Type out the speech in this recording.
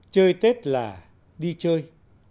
chơi tết là đi chơi